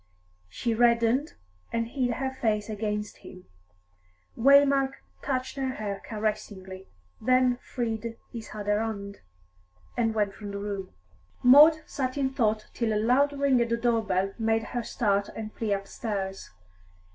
She reddened, and hid her face against him. Waymark touched her hair caressingly, then freed his other hand, and went from the room. Maud sat in thought till a loud ring at the door bell made her start and flee upstairs.